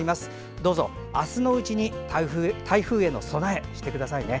どうぞ、あすのうちに台風への備えをしてくださいね。